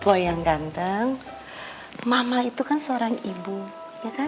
wayang ganteng mama itu kan seorang ibu ya kan